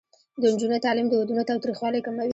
د نجونو تعلیم د ودونو تاوتریخوالي کموي.